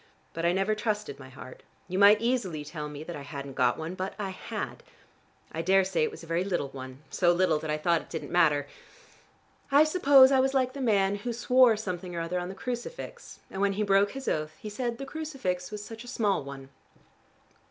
But I never trusted my heart. You might easily tell me that I hadn't got one, but I had. I daresay it was a very little one, so little that I thought it didn't matter. I suppose I was like the man who swore something or other on the crucifix, and when he broke his oath, he said the crucifix was such a small one."